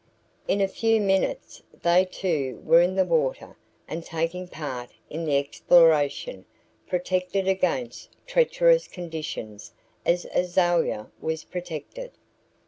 In a few minutes they too were in the water and taking part in the exploration, protected against treacherous conditions as Azalia was protected.